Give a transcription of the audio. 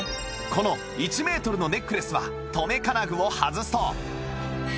この１メートルのネックレスは留め金具を外すと